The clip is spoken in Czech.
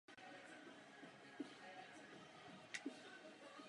Téměř celé jeho dílo bylo přeloženo do češtiny.